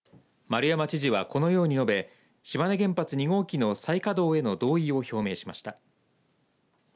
丸山知事はこのように述べ島根原発２号機の再稼働への同意を表明しました。